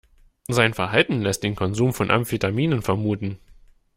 Sein Verhalten lässt den Konsum von Amphetaminen vermuten.